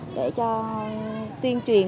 để cho tuyên truyền